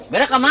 bella ke mana